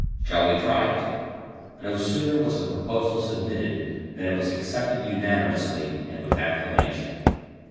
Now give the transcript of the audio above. "Shall we try it?" No sooner was the proposal submitted than it was accepted unanimously and with acclamation.